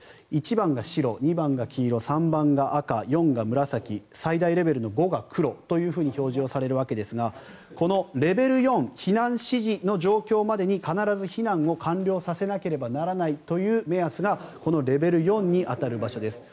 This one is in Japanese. １番が白２番が黄色、３番が赤４が紫最大レベルの５が黒と表示されるわけですがこのレベル４の避難指示の状況までに必ず避難を完了させなければならないという目安がこのレベル４に当たる場所です。